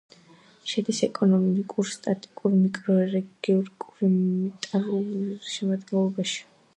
შედის ეკონომიკურ-სტატისტიკურ მიკრორეგიონ კურიმატაუ-ოსიდენტალის შემადგენლობაში.